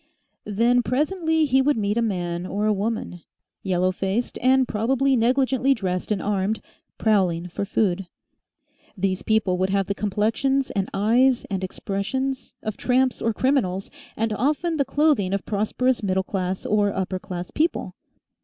Then presently he would meet a man or a woman, yellow faced and probably negligently dressed and armed prowling for food. These people would have the complexions and eyes and expressions of tramps or criminals, and often the clothing of prosperous middle class or upper class people.